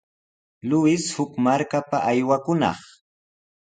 Paypaq kaq uqata traskiskirshi Luis huk markapa aywakunaq.